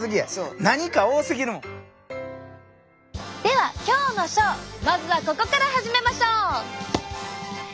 では今日のショーまずはここから始めましょう！